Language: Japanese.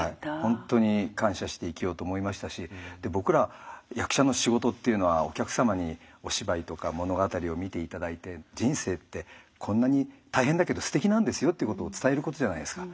本当に感謝して生きようと思いましたし僕ら役者の仕事っていうのはお客様にお芝居とか物語を見て頂いて人生ってこんなに大変だけどすてきなんですよってことを伝えることじゃないですか。